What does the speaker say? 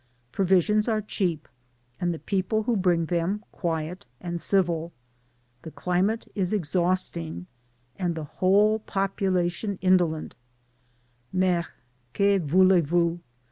Provisions are cheap, and the people who bring them, quiet itnd civil ; the climate is exhausting, and the whole population indolent —^* Mais que roulez rous